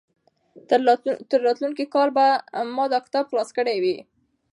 تر راتلونکي کال پورې به ما دا کتاب خلاص کړی وي.